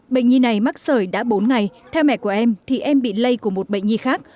bệnh nhi này mắc sởi đã bốn ngày theo mẹ của em thì em bị lây của một bệnh nhi khác